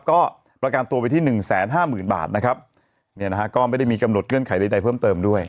ก็ประกันตัวไปที่หนึ่งแสนห้าหมื่นบาทนะครับเนี่ยนะฮะก็ไม่ได้มีกำหนดเงื่อนไขใดใดเพิ่มเติมด้วย